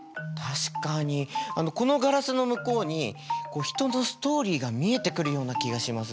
確かにこのガラスの向こうに人のストーリーが見えてくるような気がします。